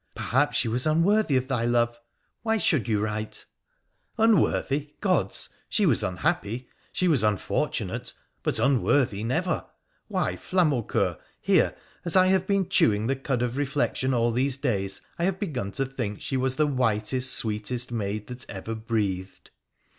' Perhaps she was unworthy of thy love— why should you write?' PllkA THE PHOENICIAN 193 ' Unworthy ! Gods ! She was unhappy, she was unfor tunate — but unworthy, never ! Why, Flamaucoeur, here, as I have been chewing the cud of reflection all these days, I have begun to think she was the whitest, sweetest maid that ever breathed.'